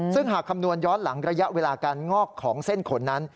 ซึ่งหากคำนวณย้อนหลังระยะเวลาการงอกของเส้นขนนั้น